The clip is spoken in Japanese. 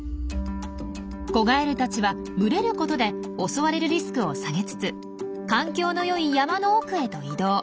子ガエルたちは群れることで襲われるリスクを下げつつ環境の良い山の奥へと移動。